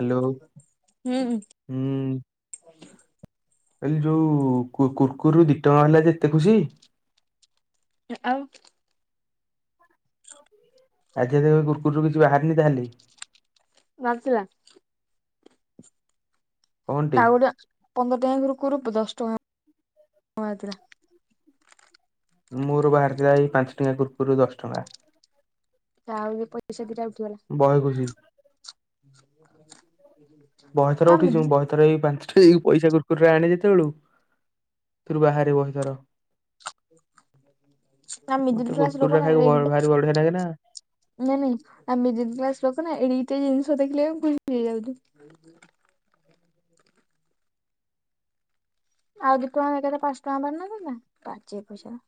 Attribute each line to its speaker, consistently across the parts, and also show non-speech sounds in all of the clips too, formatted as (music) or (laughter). Speaker 1: Hello
Speaker 2: ହୁଁ
Speaker 1: ଏଇ ଯୋଉ କୁର୍କୁରିରୁ ଦି ଟଙ୍କା ହେଲା ଯେ ଏତେ ଖୁସି?
Speaker 2: ଆଉ
Speaker 1: (unintelligible) ଆଜି ଯ କୁରୁକୁରି ରୁ କିଛି ବାହାରିନି ତାହେଲେ?
Speaker 2: ନଥିଲା।
Speaker 1: କଣଟେ
Speaker 2: ଆଉ ଗୋଟେ ପନ୍ଦର ଟଙ୍କିଆ କୁରୁକୁରିରୁ ଦଶ ଟଙ୍କା ବାହାରିଥିଲା।
Speaker 1: ମୋର ବାହାରି ଥିଲା ଏଇ ପାଞ୍ଚ ଟଙ୍କିଆ କୁର୍କୁୁରି ରୁ ଦଶ ଟଙ୍କା।
Speaker 2: ଯାହାହଉ ଏ ପଇସା ଦି ଟା ଉଠିଗଲା।
Speaker 1: ବହେ ଖୁସି ବହେଥର ଉଠିଚି, ବହେ ଥର ଏଇ ପାଞ୍ଚଟ ପଇସା କୁରୁକୁରି ରୁ ଆଣେ ଯେତେବେଳୁ ଏଥିରୁ ବାହାରେ ବହେ ଥର।
Speaker 2: ନା ମିଡିଲ
Speaker 1: ମତେ
Speaker 2: କ୍ଲାସ
Speaker 1: କୁୁରକୁୁରି
Speaker 2: ଲୋକ
Speaker 1: ରା
Speaker 2: ନା ଏଡିକି
Speaker 1: ଖାଇବାକୁ ଭାରି ବଢିଆ ଲାଗେ ନା।
Speaker 2: ନାଇଁ ନାଇଁ, ଆମେ ମିଡିଲି କ୍ଲାସ ଲୋକ ନା, ଏଡ଼ିକିଟେ ଜିନିଷ ଦେଖିଲେ ବି ଖୁସି ହେଇଯାଉଚୁ। ଆଉ ଦିଇ ଟଙ୍କା, ଏକାଥରେ ପାଞ୍ଚ ଟଙ୍କା ବାହାରି ନଥାନ୍ତା, ବାଜେ ପଇସା।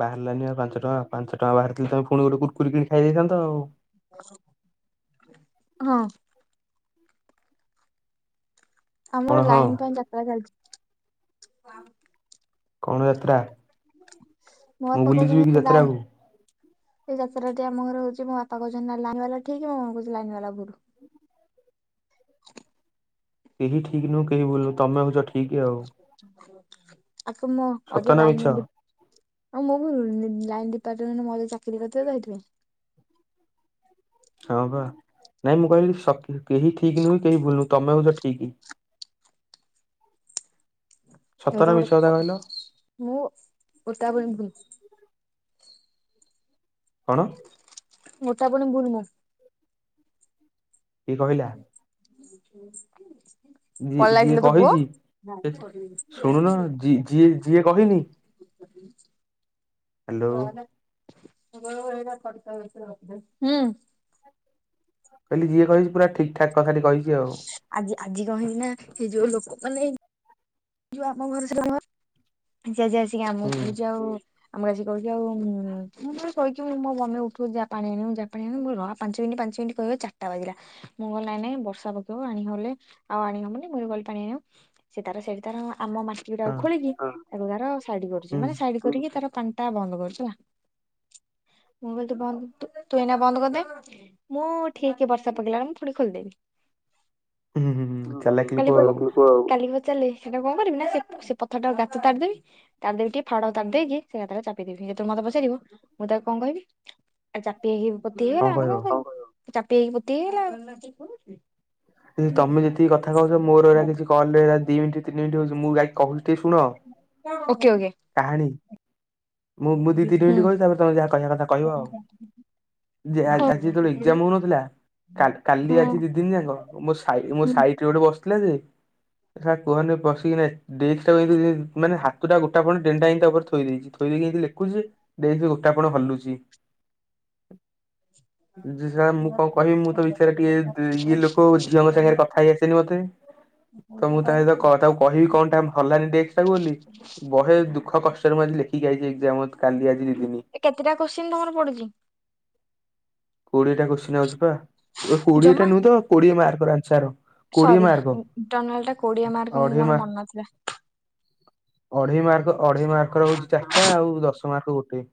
Speaker 1: ବାହାରିଲାନି ଆଉ ପାଞ୍ଚ ଟଙ୍କା, ପାଞ୍ଚ ଟଙ୍କା ବାହାରିଥିଲ ତମେ ପୁଣି ଗୋଟେ କୁୁର୍କୁରି କିଣି ଖାଇ ଦେଇଥାନ୍ତ ଆଉ।
Speaker 2: (unintelligible) ହଁ।
Speaker 1: କଣ
Speaker 2: ଆମର
Speaker 1: ହଁ
Speaker 2: ଲାଇନ୍ ପାଇଁ ଯାତ୍ରା ଚାଲିଚି।
Speaker 1: କଣ ଯାତ୍ରା?
Speaker 2: ମୋ
Speaker 1: ମୁଁ
Speaker 2: ବାପା
Speaker 1: ବୁଲିଯିବି କି
Speaker 2: କହୁଛନ୍ତି ଲାଇନ
Speaker 1: ଯାତ୍ରାକୁ?
Speaker 2: ଏଇ ଯାତ୍ରାଟି ଆମ ଘର ହଉଚି, ମୋ ବାପା କହୁଛନ୍ତି ନାଇ ଲାଇନ୍ ବାଲା ଠିକ, ମୁଁ କହୁଚି ଲାଇନ୍ ବାଲା ଭୁଲ୍।
Speaker 1: କେହି ଠିକ୍ ନୁହଁ, କେହି ଭୁଲ୍ ନୁହଁ, ତମେ ହଉଚ ଠିକ୍ ଆଉ?
Speaker 2: ଆପନ
Speaker 1: ସତ
Speaker 2: ଅଧିକା
Speaker 1: ନା ମିଛ
Speaker 2: ଲାଇନ୍ (unintelligible) ଆଉ ନୁକି, ମୁଁ ଲାଇନ୍ ଡିପାର୍ଟମେଣ୍ଟ ମୁଁ (unintelligible) ଚାକିରି କରିିଥିବ ତ ହେଇଥିପାଇଁ।
Speaker 1: ହଁ ପା, ନାଇଁ ମୁଁ କହିଲି (unintelligible) କେହି ଠିକ୍ ନୁହେଁ କି, କେହି ଭୁଲ୍ ନୁହଁ, ତମେ ହଉଚ ଠିକ୍। ସତ ନା
Speaker 2: ଏଟା
Speaker 1: ମିଛ
Speaker 2: ଗୋଟେ
Speaker 1: କଥା
Speaker 2: କ,
Speaker 1: କହିଲ?
Speaker 2: ମୁଁ ଓଟା (unintelligible)
Speaker 1: କଣ?
Speaker 2: ଗୋଟାପଣି ଭୁଲ୍ ମୁଁ।
Speaker 1: କିଏ କହିଲା?
Speaker 2: (unintelligible)
Speaker 1: ଯିଏ
Speaker 2: ପଳେଇଲା
Speaker 1: ଯିଏ
Speaker 2: କିଲୋ ତୋ ପୁଅ।
Speaker 1: କହିଛି,
Speaker 2: ହୁଁ
Speaker 1: ଶୁଣୁନ? ଯିଏ ଯିଏ କହିନି
Speaker 2: (unintelligible)
Speaker 1: ହ୍ୟାଲୋ
Speaker 2: (unintelligible) ହୁଁ।
Speaker 1: ମୁଁ କହିଲି ଯିଏ କହିଚି, ପୁରା ଠିକ୍ ଠାକ୍ କଥାଟି କହିଛି ଆଉ।
Speaker 2: ଆଜି, ଆଜି କଣ ହେଇଚିନା, ସେଇ ଯୋଉ ଲୋକମାନେ ଯଉ ଆମ ଘର ସାଇଡ୍ ଘର, ସେ ଆଜି ଆସିକି ଆମକୁ
Speaker 1: ହୁଁ
Speaker 2: କହୁଚି ଆଉ ଆମକୁ ଆସିକି କହୁଚି ଆଉ, ମୁଁ ପା କହିଚି ମୋ ମମି ଉଠୁ, (unintelligible) ଯା ପାଣି ଆଣିବୁ, ଯା ପାଣି ଆଣିବୁ, ମୁଁ କହିଲି ରହ ପାଞ୍ଚ ମିନିଟ୍, ପାଞ୍ଚ ମିନିଟ୍। କହିବ ଚାରିଟା ବାଜିଲା, ମୁଁ କହିଲି ନାଇଁ ନାଇଁ ବର୍ଷା ପକେଇବ ଆଣିିଗଲେ ଆଉ ଆଣି ହବନି, ମୁଁ ହେଟୁ ଗଲି ପାଣି ଆଣିବାକୁ ସେ ତାର ସେଠି ତାର ଆମ ମାଟି
Speaker 1: ହଁ
Speaker 2: ଗୁଟାକୁ ଖୋଳିକି, ତାକୁ ତାର ସାଇଟ୍ କରୁଚି,
Speaker 1: ହୁଁ
Speaker 2: ମାନେ ସାଇଡ୍ କରିକି ତାର ପାଣ୍ଟା ବନ୍ଦ କରୁଚି, ହେଲା। ମୁଁ କହିଲି ତୁ ବନ୍ଦ୍, ତୁ ଏଇନା ବନ୍ଦ୍ କରିଦେ। ମୁଁ ଠିକ୍ ବର୍ଷା ପକେଇଲା ବେଳୁ, ମୁଁ ଫୁଣି ଖୋଲିଦେବି। ହୁଁ, ଭଲ କହୁଚ ଆଉ? ସେଇଟାକୁ କଣ କରିବି, ନା ସେ ପ ପଥର ଟାକୁ ଗାତ ତାଡ଼ିଦେବି ତାଡ଼ି ଦେବି ଟିକେ, ଫାଡ ତାଡ଼ି ଦେଇକି, ସେ ଗାତ ଟାକୁ ଚାପିଦେବି, ସେ ଯେତେବେଳେ ମତେ ପଚାରିବ, ମୁଁ ତାକୁ କଣ କହିବି ଆଉ ଚାପି ହେଇକି ପୋତି ହେଇଗଲା, ଆମେ କଣ କରିବୁ? ଚାପି ହେଇକି ପୋତି ହେଇଗଲା ଆଉ।
Speaker 1: ତମେ ଯେତିକି କଥା କହୁଚ, ମୋର ଏରା କିଛି କଲ୍ ରେ ଦି ମିନିଟ୍, ତିନି ମିନିଟ୍ ହଉଚି, ମୁଁ ବାକି କହୁଚି ଟିକେ ଶୁଣ?
Speaker 2: ଓକେ-ଓକେ।
Speaker 1: କାହାଣୀ ମୁଁ-ମୁଁ ଦି
Speaker 2: ହୁଁ
Speaker 1: ତିନିଟି କହୁଛି ତାପରେ ତମେ ଯାହା କହିବା କଥା କହିବ ଆଉ। ଯେ ଆଜି ଯେତେବେଳେ ଏକ୍ସାମ୍ ହଉନଥିଲା କା କାଲି
Speaker 2: ହଁ
Speaker 1: ଆଜି ଦି ଦିନ ଯାକ ମୋ ସାଇ ମୋ ସାଇଟି ରେ ଗୋଟେ ବ କୁହନି ପିକି ମାନେ ହାତଟା ଗୋଟେ ଗୋଟାପଣ ଡେନଟା ଏଇି ଉପରେ ଥୋଇ ଦେଇଚି ଥୋଇ ଦେଇକି ଏ ଲେଖୁଚି ଦେଇି ଗୋଟାପଣ ହଲୁଚି। ଜ ସାର୍ ମୁଁ କଣ କହିବି ମୁଁ ତ ବିଚାରରେ ଟିକେ ଇଏ ଲୋକ ଝିଅଙ୍କ ସାଙ୍ଗରେ କଥା ହେଇ ଆସେନି ମତେ ତ ମୁଁ ତା ସହିତ କକୁ କହିବି କଣଟା ହଲାନି ଡେକ୍ସେ ଟାକୁ ବୋଲି ବହେ ଦୁଃଖ କଷ୍ଟରେ ମୁଁ ଲେଖିକିଆଇଚି ଏକ୍ସାମ୍ ରେ।
Speaker 2: ଏ କେତେଟା କୋଶ୍ଚିନ୍ ତମର ପଡିଚି?
Speaker 1: କୋଡିଏଟା କୋଚିଂ ଅଛି ବା କୋଡିଏଟା
Speaker 2: ଜମା
Speaker 1: ନୁହଁ ତ କୋଡିଏ ମାର୍କ ର ଆନ୍ସାର୍। କୋଡିଏ
Speaker 2: ସରି ଇଣ୍ଟରନାଲ୍ କୋଡି ମାର୍କ ମୁଁ
Speaker 1: ଅଢେଇ ମା
Speaker 2: ମୋର ମନ ନଥିଲା।
Speaker 1: ଅଢେଇ ମାର୍କ ଅଢେଇ ମାର୍କ ରହୁଚି ଚାରିଟା ଆଉ ଦଶ ତୁମାର୍କ ଗୋଟେ।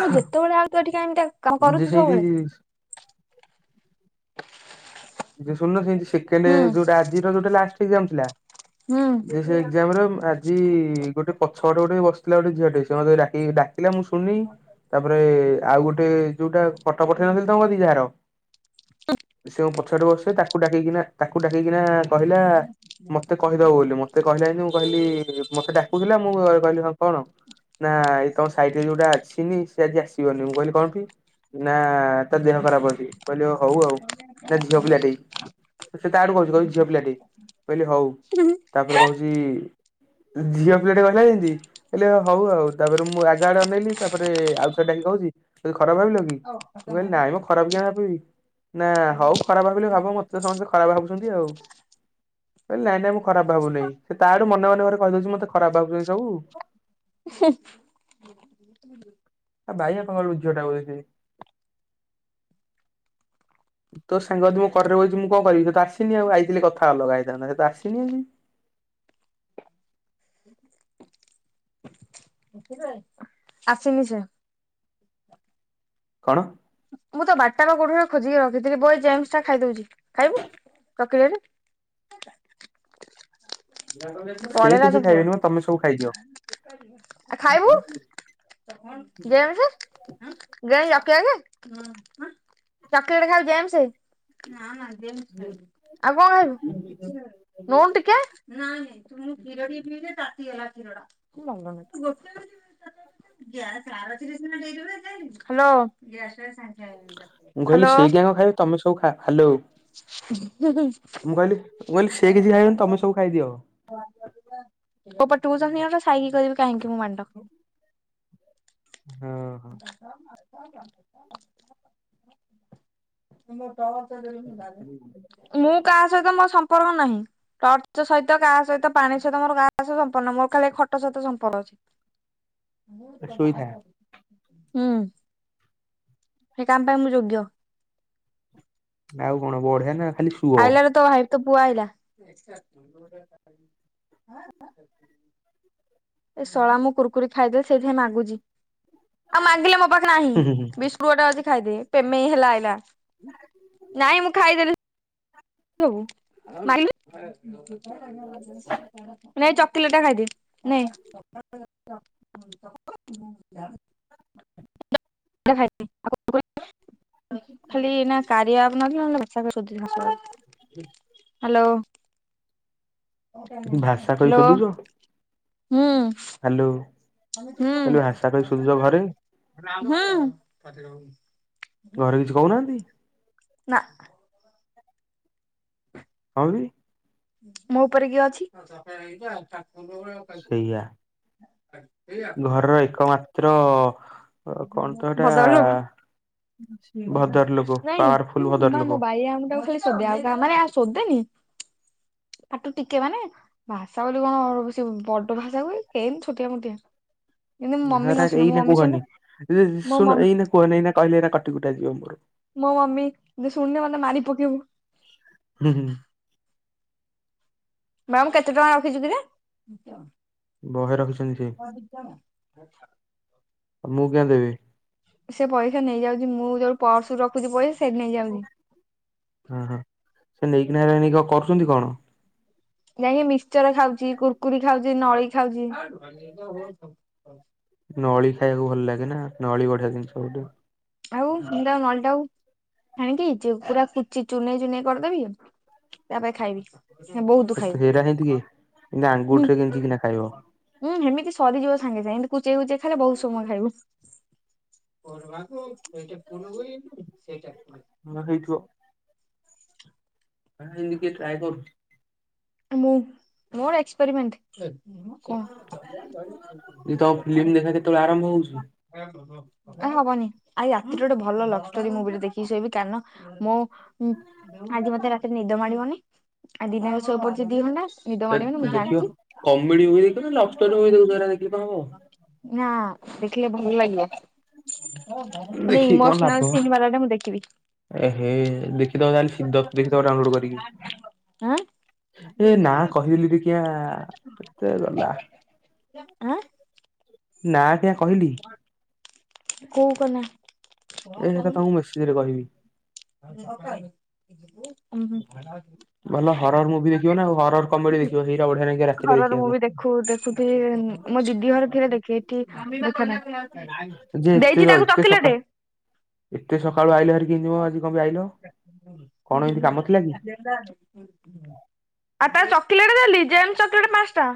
Speaker 2: ମୁଁ ଯେତେବେଳେ ଆଉ ତୁ ଏଠି (unintelligible)
Speaker 1: ଯେ ସେ କି ଶୁଣୁନୁ ସେକେଣ୍ଡ
Speaker 2: ହୁଁ
Speaker 1: ସେ ଯୋଉଟା ଆଜିର ଯୋଉଟା ଲାଷ୍ଟ ଏକ୍ସାମ୍ ଥିଲା
Speaker 2: ହୁଁ।
Speaker 1: ଯେ ସେ ଏକ୍ଜାମ୍ ରେ ଆଜି ଗୋଟେ ପଛପଟେ ଗୋଟେ ବସିଥିଲା ଗୋଟେ ଝିଅଟେ ସେ ମତେ ଡକି ଡାକି ଥିଲା ମୁଁ ଶୁଣିନି। ତାପରେ ଆଉ ଗୋଟେ ଯୋଉଟା ପଟ ପଠ ନଥିଲେି ତମ କତିକି ଯାହାର ସେ ମୋ ପଛଆଡେ ବସେ ତାକୁ ଡାକିକିନା ତାକୁ ଡାକିକିନା କହିଲା ମତେ କହିଦବ ବୋଲି ମତେ କହିଲା ମୁଁ କହିଲି ମତେ ଡାକୁଥିଲା ମୁଁ କହିଲି କଣ ନା ଏଇ ତମ ସାଇଟ୍ ରେ ଯୋଉଟା ଆସିନି ସେ ଆଜି ଆସିବନି, ମୁଁ କହିଲି କଣ? ନା ତା ଦେହ ଖରାପ ଅଛି ମୁଁ କହିଲି ହଉ ଆଉ।
Speaker 2: (inaudible)
Speaker 1: ନା ଝିଅ ପିଲାଟିେ ସେ ତା ଆଡୁ କହୁଚି-କହୁଚି ଝିଅ ପିଲାଟିେ ମୁଁ କହିଲି ହଉ।
Speaker 2: ହୁଁ
Speaker 1: ତାପରେ କହୁଚି ଝିଅ ପିଲାଟେ କହିଲା ଯେମ୍ତି ହେଲେ ହଉ ଆଉ ତାପରେ ମୁଁ ଆଗଆଡ଼େ ଅନେଇଲି ତାପରେ ଆଉ ଥରେ ଡ଼ାକିକି କହୁଚି ଖରାପ ଭାବିଲ କି ମୁଁ କହିଲି ନାଇ ମ୍ ଖରାପ କାଇଁ ଭାବିବି ନା ହଉ। ଖରାପ ଭାବିଲେ ଭାବ ମତେ ସମସ୍ତେ ଖରାପ ଭାବୁଚନ୍ତି ଆଉ ହେ ନାଇଁ-ନାଇ ମୁଁ ଖରାପ ଭାବୁନି ସେ ତାଆଡୁ ମନେ-ମନେ ଘରେ କହିଦଉଚି ମତେ ଖରାପ ଭାବୁଛନ୍ତି ସବୁ।
Speaker 2: (inaudible)
Speaker 1: ବାଇଆଙ୍କ ଘରକୁ ଝିଅଟା ଆଉଚି। ତୋ ସାଙ୍ଗ ଯୋଉ ମୋ କରରେ ବଇଚି ମୁଁ କଣ କରିବି ସେ ତ ଆସିନି ଆଉ ଆଇଥିଲି କଥା ଅଲଗା ହେଇଥାନ୍ତା ସେ ତ ଆସିନି
Speaker 2: ଆସିନିି ସେ।
Speaker 1: କଣ?
Speaker 2: ମୁଁ ତ ବାରଟା କୋଉଠିରେ ଖୋଜିକି ରଖିଥିଲି ବୋଉ ଜେମସଟା ଖାଇଦଉଚି, ଖାଇବୁ ଚକିଲେଟ୍?
Speaker 1: (inaudible)
Speaker 2: କଣ ହେଲା
Speaker 1: କିଛି
Speaker 2: ସେ ପୁଅ
Speaker 1: ଖାଇବେନି ମ ତମେ ସବୁ ଖାଇଦିଅ।
Speaker 2: ଖାଇବୁ। (inaudible) ଚକିଲେଟ୍ ଖାଇବୁ ଜେମସ। ଆଉ କଣ ଖାଇବୁ ନଉନୁ ଟିକେ ତୁମେ କ୍ଷୀର ଟିକେ ପିଇଲେ ତାତିଗଲା କ୍ଷୀରଟା (inaudible) ହାଲୋ।
Speaker 1: ମୁଁ କହିଲି ସେଇ ଜ୍ଞା ଖାଇବ ତମେ ସବୁ ଖା ହାଲୋ।
Speaker 2: (inaudible)
Speaker 1: ମୁଁ କହିଲି ମୁ କହିଲି ସେ କିଛି ଖାଇବେନି ତମେ ସବୁ ଖାଇଦିଅ।
Speaker 2: ଟୁଇସନ୍ ସାଇକି କହୁବି କାହିଁକି ମୋ! ! ! ! ! ! !
Speaker 1: ହଁ ହଁ।
Speaker 2: (inaudible) (unintelligible) ମୁଁ କାହା ସହିତ ମୋ ସମ୍ପର୍କ ନାହିଁ ଟର୍ଚ୍ଚ ସହି ତ କାହା ସହିତ ପାଣି ସହିତ ମୋର କାହା ସହିତ ସମ୍ପର୍କ ନାହିଁ ମୋର ଖାଲି ଏ ଖଟ ସହିତ ସମ୍ପର୍କ ଅଛି।
Speaker 1: ଶୋଇଥା
Speaker 2: ହୁଁ। ସେଇ କାମ ପାଇଁ ମୁଁ ଯୋଗ୍ୟ।
Speaker 1: ଆଉ କଣ ବଢିଆ ନା। ଖାଲି ଶୁଅ ହୁଁ
Speaker 2: ଆଇଲାରେ ତ ଭାଇ ତ ପୁଅ ଆଇଲା। ଏ ଶଳା ମୁଁ କୁୁରକୁରି ଖାଇଦେଲି ସେଇଥିାଇଁ ମାଗୁଛି ଆଉ ମାଗିଲେ ମୋ ପାଖେ ନାହିଁ।
Speaker 1: ହୁଁ
Speaker 2: ବିସ୍କୁଟ ଗୋଟେ ଅଛି ଖାଇଦେ ପେମେଇ ହେଲା ଆଇଲା ନାଇଁ ମୁଁ ଖାଇଦେଲି। ହଉ ମାରଲି। ନେ ଏଇ ଚକଲେଟ ଖାଇଦେ ନେ। (unintelligible) ଖାଲି ଏ କାରିଆ ଆପ ନଥିଲେ ଭାଷା ସୋଧିଥାନ୍ତି ଶଳାକୁ। ହାଲୋ।
Speaker 1: ହୁଁ ଭାଷା କହି
Speaker 2: ହାଲୋ
Speaker 1: ଶୋଧୁଛ
Speaker 2: ହୁଁ।
Speaker 1: ହାଲୋ। କହିଲି ଭାଷା କହି ଶୋଧୁଛ ଘରେ
Speaker 2: ହୁଁ ହୁଁ।
Speaker 1: କେହି କିଛି କହୁନାହାନ୍ତି?
Speaker 2: ନା।
Speaker 1: ଆହୁରି
Speaker 2: ମୋ ଉପରେ କିଏ ଅଛି?
Speaker 1: ସେଇଆ।
Speaker 2: (inaudible)
Speaker 1: ଘରର ଏକମାତ୍ର କଣ ତ ହେଟା?
Speaker 2: ଭଦ୍ର ଲୋକ
Speaker 1: ଭଦରଲୋକ ପାୱାରଫୁଲ ଭଦରଲୋକ।
Speaker 2: ଆ ମାନେ ଆ ଶୋଧେନି ଆଠୁ ଟିକେ ମାନେ ଭାଷା ବୋଲି କଣ ବଡ ଭାଷା କୁହେ ଏନ୍ତି ଛୋଟିଆ ମୋଟିଆ। ଯେମିତି ମୋ ମମି
Speaker 1: ହେରା
Speaker 2: ନଶୁଣୁ ମୋ
Speaker 1: ଏଇନା
Speaker 2: ମମି
Speaker 1: କୁହନି
Speaker 2: ଶୁଣିଲେ ମୋ
Speaker 1: ଶୁଣ
Speaker 2: ମମି
Speaker 1: ଏଇନା କୁହନି ଏଇନା କହିଲେ ଏଇନେ କହିଲେ କଟିକୁଟା ଯିବ ମୋର।
Speaker 2: ମୋ ମମି ଶୁଣିଲେ ମତେ ମାରି ପକେଇବ।
Speaker 1: ହୁଁ ହୁଁ।
Speaker 2: ମ୍ୟାାମ କେତେ ଟଙ୍କା ରଖିଛୁ କିରେ?
Speaker 1: ବହେ ରଖିଛନ୍ତି ସେ ତମୁକୁ କିଆଁ ଦେବି।
Speaker 2: ସେ ପଇସା ନେଇଯାଉଚି ମୁଁ ଯୋଉ ପର୍ସରୁ ରଖୁଛି ପଇସା ସେଠି ନେଇଯାଉଚି।
Speaker 1: ହଁ ହଁ ସେ ନେଇକିନା ନେଇ କରୁଚନ୍ତି କଣ?
Speaker 2: ନେଇକି ମିସଚର ଖାଉଚି, କୁର୍କୁରି ଖାଉଚି, ନଳି ଖାଉଚି।
Speaker 1: ନଳି ଖାଇବାକୁ ଭଲ ଲାଗେ ନା, ନଳି ବଢିଆ ଜିନିଷ ଗୋଟେ।
Speaker 2: ଆଉ ମୁଁ ଯଉ ନଳିଟା ଆଉ ଛାଣିକି ପୁରା କୁଚି ଚୁନେଇ, ଚୁନେଇ କରିଦେବି। ତାପରେ ଖାଇବି ବୋହୁତ
Speaker 1: ହେରା
Speaker 2: ଖାଇବି
Speaker 1: ହେନ୍ତି କିଏ ଏନ୍ତି
Speaker 2: ଉଁ।
Speaker 1: ଆଙ୍ଗୁଠିରେ ଗେଞ୍ଜିକିନା ଖାଇବ।
Speaker 2: ହୁଁ ହେମିତି ସରିଯିବ ସାଙ୍ଗେ ସାଙ୍ଗେ ଏମିତି କୁଚେଇ କୁଚେଇ ଖାଇଲେ ବୋହୁତ ସମୟ ଖାଇବୁ। (unintelligible)
Speaker 1: ହଁ ହେଇଥିବ। ହଁ ଏମିତି କିଏ ଟ୍ରାଏ କରୁଚି।
Speaker 2: ମୁଁ ମୋର ଏକ୍ସପେରିମେଣ୍ଟ। (unintelligible)
Speaker 1: ତମ ଫିଲ୍ମ ଦେଖା କେତେବେଳେ ଆରମ୍ଭ ହଉଚି
Speaker 2: କାହିଁ ହବନି ଆଜି ରାତିରେ ଗୋଟେ ଭଲ ଲଭଷ୍ଟୋରୀ ମୁଭିଟେ ଦେଖିକି ଶୋଇବି କାରଣ ମୁଁ ଉଁ ଆଜି ମତେ ରାତିରେ ନିଦ ମାଡିବନି ଆ ଦିନରେ ଶୋଇ ପଡିଚି ଦିଇ ଘଣ୍ଟା। ନିଦ ମାଡିବନି
Speaker 1: ଏତେ
Speaker 2: ମୁଁ
Speaker 1: ଦେଖିବ
Speaker 2: ଜାଣିଛି
Speaker 1: କମେଡି ମୁଭି ଦେଖିବ ନା ଲଭଷ୍ଟୋରି ମୁଭି ଦେଖି ହେଗୂରା କଣ ହବ।
Speaker 2: ନା ଦେଖିଲେ ଭଲ ଲାଗିବ। ମାନେ
Speaker 1: ଦେଖିକି କଣ ଲାଭ
Speaker 2: ଇମୋସନାଲ ସିନ୍ ବାଲାଟା ମୁଁ ଦେଖିବି।
Speaker 1: ଏହେ ଦେଖ୍ ଦେଖିଦବ କାଲି ସିଧପ ଦେଖି ଦବ ଡାଉଁଲୋଡ୍ କରିକୀ।
Speaker 2: ଆଁ
Speaker 1: (unintelligible) କେତେ ଗଲା?
Speaker 2: ଆଁ।
Speaker 1: ନାଁ ଟା କହିଲି।
Speaker 2: କୋଉ କନା?
Speaker 1: ଏ ସେଇଟା ତମୁକୁ ମେସେଜରେ କହିବି।
Speaker 2: ଉଁ ହୁଁ।
Speaker 1: ଭଲ ହରର ମୁଭି ଦେଖିବ ନା ଆଉ ହରର କମେଡି ଦେଖିବ ସେଇଟା ବଢିଆ ନାଗିବ ରାତିରେ ଦେଖିବାକୁୁ।
Speaker 2: କୋଉ ଦେଖୁ ଥିବେ ମୋ ଦିଦି ଘରେ ଥିଲେ ଦେଖେ ଏଠି ଦେଖେ ନାଁହିଁ।
Speaker 1: ଯେ ଏତେ
Speaker 2: ଦେଇଛି ତାକୁ
Speaker 1: ଏତେ ସକା
Speaker 2: ଚକିଲେଟେ।
Speaker 1: ଏତେ ସକାଳୁ ଆଇଲ ହାରିକି କେମିତି ମ ଆଜି କପାଇଁ ଆଇଲ କଣ ଏମିତି କାମ ଥିଲା କି?
Speaker 2: ଆ ତା ଚକିଲେଟେ ଦେଲି ଜେମ୍ସ ଚକ୍ଲେଟ୍ ପାଞ୍ଚଟା।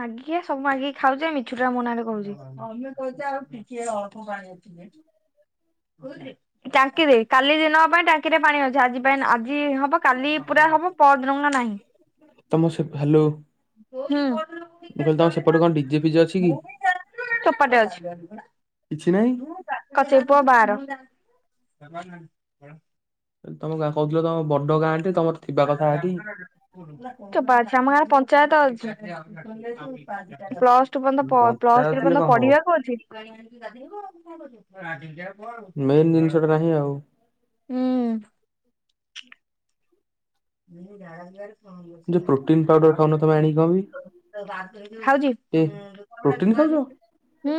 Speaker 2: ମାଗିଖିଆ ସବୁ ମାଗିକି ଖାଉଚି ଏମିତି। ମିଛୁଟାରେ ମୋ ନାଁ ରେ କୋହୁଚି। କୋଉଥିରେ ଟାଙ୍କିରେ କାଲି ଦିନ ପାଇଁ ଟାଙ୍କିରେ ପାଣି ଅଛି ଆଜି ପାଇଁ ଆଜି ହବ କାଲି ପୁରା ହବ ପରଦିନକୁ ଆଉ ନାହିଁ।
Speaker 1: ତମ ସେ ହାଲୋ
Speaker 2: ହୁଁ।
Speaker 1: ମୁଁ କହିଲି ତମ ସେପଟେ କଣ ଡିଜେ ଫିଜେ ଅଛି? କି?
Speaker 2: ଚୋପାଟେ
Speaker 1: କିଛି ନାହିଁ
Speaker 2: ଅଛି। କଚେ ପୁଅ ବାର।
Speaker 1: ତମ ଗାଁ କହୁଥିଲ ତମବଡ ଗାଁ ଟେ ତମ ତ
Speaker 2: (unintelligible) ଚୋପା ଅଛି ଆମ ଗାଁରେ ପଞ୍ଚାୟତ ଅଛି ପ୍ଲସ ତୁ ପର୍ଯ୍ୟନ୍ତ ପ ପ୍ଲସ୍
Speaker 1: ପଞ୍ଚାୟତ
Speaker 2: ଥ୍ରୀ
Speaker 1: ଥିଲେ
Speaker 2: ପର୍ଯ୍ୟନ୍ତ
Speaker 1: କଣ ହବ?
Speaker 2: ପଢିବାକୁ ଅଛି।
Speaker 1: ମେନ୍ ଜିନିଷ ଟା ନାହିଁ ଆଉ
Speaker 2: ହୁଁ। (unintelligible)
Speaker 1: ଯୋ ପ୍ରୋଟିନ ପାଉଡର ଖାଉନ ତମେ ତମ ଆଣିକି ଖାଉନ।
Speaker 2: ଖାଉଚି।
Speaker 1: ପ୍ରୋଟିନ ଖାଉଛ
Speaker 2: ହୁଁ।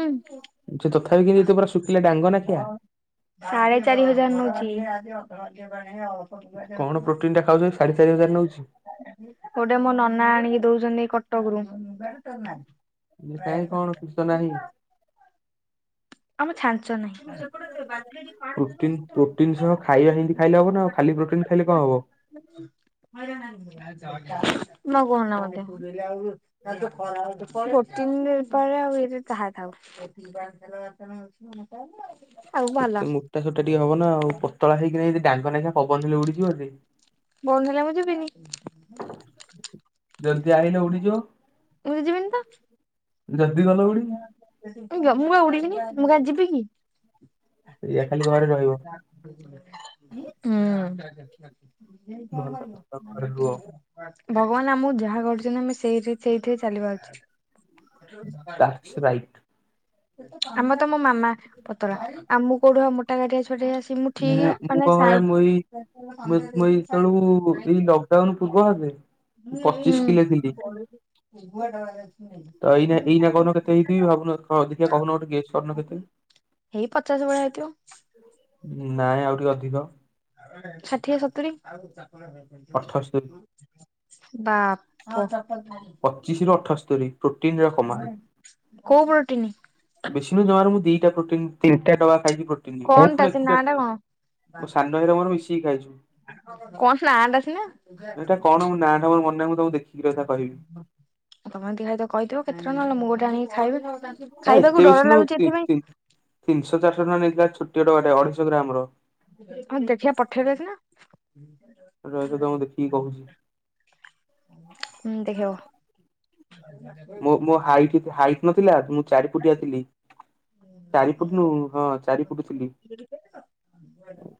Speaker 1: ସେ ତଥାପି କିି ଜେତେପରା ଶୁଖିଲା ଡାଙ୍ଗ ନାଖିଆ।
Speaker 2: ସାଢେ ଚାରି ହଜାର ନୋଉଚି।
Speaker 1: କଣ ପ୍ରୋଟିନ୍ ଟା ଖାଉଛନ୍ତି ସାଢେ ଚାରି ହଜାର ନଉଛି?
Speaker 2: ଗୋଟେ ମୋ ନନା ଆଣିକି ଦଉଛନ୍ତି କଟକରୁ।
Speaker 1: ଏ କାହିଁ କଣ ଦୁସ ନାହିଁ।
Speaker 2: ଆମ ଛାଞ୍ଚ ନାହିଁ। ନ
Speaker 1: ପ୍ରୋଟିନ ପ୍ରୋଟିନ ସହ ଖାଇବା ଯେମିତି ଖାଇଲେ ହବ ନା ଆଉ, ଖାଲି ପ୍ରୋଟିନ ଖାଇଲେ କଣ ହବ?
Speaker 2: (unintelligible) ପ୍ରୋଟିନ ପରେ ଆଉ ଇଠି ଚାହା ଖାଉଛି। (unintelligible)
Speaker 1: ସେତେ ମୋଟା ସୋଟା ଟିକେ ହବ ନା ଆଉ ପତଳା ହେଇକି, ଯେମିତି ଡାଙ୍ଗ ନା ପବନ ଦେଲେ ଉଡିଯିବ ଯେ।
Speaker 2: ବନ୍ଦ ହେଲା ମୁଁ ଯିବିନି।
Speaker 1: ଜଲଦି ଆଇଲ ଉଡିଯିବ।
Speaker 2: ମୁଁ ଯିବିନି ତ।
Speaker 1: ଯଦି ଗଲ ଉଡି?
Speaker 2: ମୁଁ ଜମା ଉଡିବିନି, ମୁଁ କାହିଁ ଯିବି କି।
Speaker 1: ଏଇଆ ଖାଲି ଘରେ ରହିବ।
Speaker 2: ହୁଁ।
Speaker 1: ଭଲ ଭଲ
Speaker 2: ଭଗବାନ
Speaker 1: ଘରେ ରୁହ
Speaker 2: ଆମକୁ ଯାହା କରୁଛନ୍ତି ଆମେ ସେଇ ସେଇଥିରେ ଚାଲିବା ଉଚିତ।
Speaker 1: ଦାଟ୍ସ
Speaker 2: (unintelligible)
Speaker 1: ରାଇଟ୍
Speaker 2: ଆମ ତ ମୋ ମାମା ପତଳା, ଆଉ ମୁଁ କୋଉଠୁ ଆଉ ମୋଟା କାଟିଆ ଛୁଆଟେ ଆସିବି। ମୁଁ ଠିକ
Speaker 1: ମୁଁ
Speaker 2: ମାନେ
Speaker 1: କଣ
Speaker 2: ସାଇ
Speaker 1: କରେ ମୁଁ ଏଇ ମୁଁ ମୁଁ ଏଇ ଯେତେବେଳକୁ ଏଇ ଲକଡାଉନ ପୂର୍ବ ଭାଗେ ପଚିଶ କିଲୋ ଥିଲି
Speaker 2: ହୁଁ (unintelligible)
Speaker 1: ତ ଅଧିକା କହୁନା ତ ଗୋଟେ ଗେଜ କରୁନା କିଛି?
Speaker 2: ଏଇ ପଚାଶ ଭଳିଆ ହେଇଥିବ।
Speaker 1: ନାଇଁ ଆଉ ଟିକେ ଅଧିକ।
Speaker 2: ଷାଠିଏ, ସତୁରି।
Speaker 1: ଅଠସ୍ତରୀ
Speaker 2: ବାପ (unintelligible)
Speaker 1: ପଚିଶି ରୁ ଅଠସ୍ତରୀ। ପ୍ରୋଟିନ ର କମାଲ୍
Speaker 2: କୋଉ ପ୍ରୋଟିନ?
Speaker 1: ବେଶୀ ନୁହେଁ ଜମାରୁ ମୁଁ ଦିଟା ପ୍ରୋଟିନ ତିନିଟା ଡବା ଖାଇଛି ପ୍ରୋଟିନ ମୁଁ
Speaker 2: କଣ ଟା
Speaker 1: ଫୁଣି
Speaker 2: ସେ ନା ଟା
Speaker 1: (unintelligible)
Speaker 2: କଣ
Speaker 1: ମୋ ସାନଭାଇ ର ମୋର ମିଶିକି ଖାଇଛୁ।
Speaker 2: କଣ ପ୍ଲାନ୍ ଅଛି ନା। ତମେ
Speaker 1: ଏଇଟା କଣ ମୋ ନାଁ ଟା ମୋର ମନେ ନାହିଁ ମୁଁ ତମକୁ ଦେଖିକି ରହିଥା କହିବି।
Speaker 2: ଏମିତି ଖାାଇବାକୁ କହିଦବୁ କେତେ ଟଙ୍କା ନଉଛି ମୁଁ ଗୋଟେ ଆଣିକି ଖାଇବି,
Speaker 1: ଏ ଏତେ
Speaker 2: ଖାଇବାକୁ
Speaker 1: ବେଶୀ
Speaker 2: ଡର
Speaker 1: ନୁହଁ
Speaker 2: ଲାଗୁଛି
Speaker 1: ତି
Speaker 2: ଏଥିପାଇଁ
Speaker 1: ତି ତିନିଶହ, ଚାରିଶହ ଟଙ୍କା ନେଇଥିଲା ଛୋଟିଆ ଡବା ଟାଏ ଅଢେଇଶହ ଗ୍ରାମ୍ ର।
Speaker 2: ହଉ ଦେଖିବା ପଠେଇବେ ସିନା
Speaker 1: ରହିଥାଅ ତମକୁ ଦେଖିକି କହୁଛି।
Speaker 2: ହୁଁ ଦେଖିହବ।
Speaker 1: ମୋ ମୋ ହାଇଟ୍ ହାଇଟ୍ ନଥିଲା ମୁଁ ଚାରି ଫୁଟିଆ ଥିଲି, ଚାରି ଫୁଟ ନୁ, ହଁ ଚାରି ଫୁଟ ଥିଲି।
Speaker 2: (unintelligible)